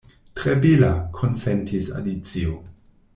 "Tre bela," konsentis Alicio.